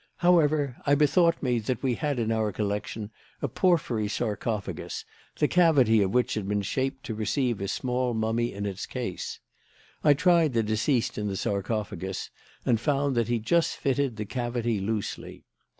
However, I bethought me that we had in our collection a porphyry sarcophagus, the cavity of which had been shaped to receive a small mummy in its case. I tried the deceased in the sarcophagus and found that he just fitted the cavity loosely.